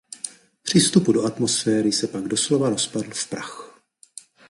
Při vstupu do atmosféry se pak doslova rozpadl v prach.